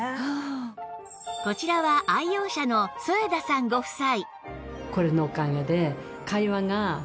こちらは愛用者の添田さんご夫妻